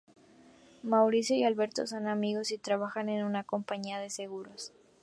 Mauricio y Alberto son amigos y trabajan en una compañía de seguros.